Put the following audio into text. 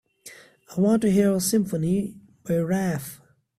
I want to hear a symphony by Raf